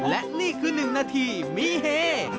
และนี่คือหนึ่งนาทีมีเห